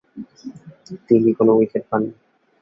তিনি কোন উইকেট পাননি।